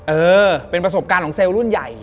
เออเป็นประสบการณ์ของเซลล์รุ่นใหญ่